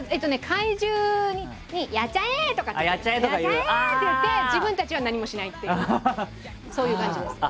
怪獣に「やっちゃえ！」って言って自分たちは何もしないっていうそういう感じです。